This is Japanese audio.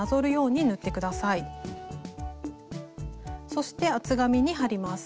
そして厚紙に貼ります。